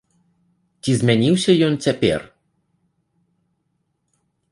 Ці змяніўся ён цяпер?